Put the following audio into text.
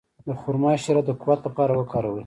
د خرما شیره د قوت لپاره وکاروئ